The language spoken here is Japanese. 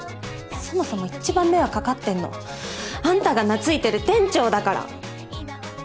そもそも一番迷惑掛かってんのあんたが懐いてる店長だから！